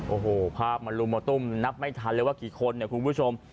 โอ้โหภาพมันลุมมาตุ้มนับไม่ทันเลยว่ากี่คนเนี่ยคุณผู้ชม